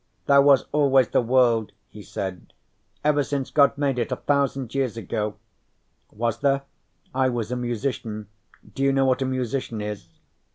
"There was always the world," he said, "ever since God made it a thousand years ago." "Was there? I was a musician. Do you know what a musician is?"